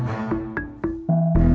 terima kasih bang